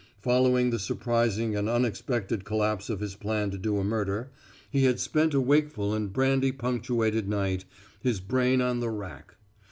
Following the surprising and unexpected collapse of his plan to do a murder, he had spent a wakeful and brandy punctuated night, his brain on the rack.